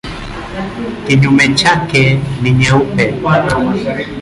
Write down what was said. Kinyume chake ni nyeupe.